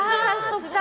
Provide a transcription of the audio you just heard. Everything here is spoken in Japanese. そっか。